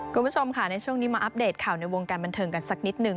คุณผู้ชมค่ะในช่วงนี้มาอัปเดตข่าวในวงการบันเทิงกันสักนิดหนึ่ง